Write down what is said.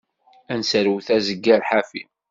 Ad nesserwet azeggar ḥafi.